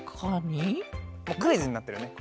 もうクイズになってるね。